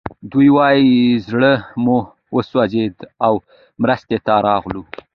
دوی وايي زړه مو وسوځېد او مرستې ته راغلو